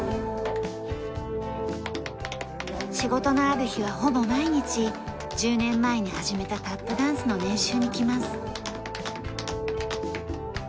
仕事のある日はほぼ毎日１０年前に始めたタップダンスの練習に来ます。